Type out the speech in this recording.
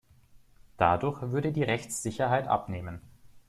Dadurch würde die Rechtssicherheit abnehmen.